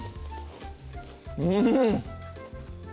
うん！